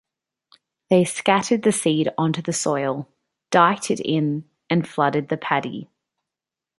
They scattered the seed onto the soil, diked it in, and flooded the paddy.